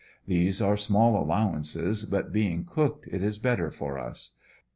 These are small allowances, but being cooked it is better for us.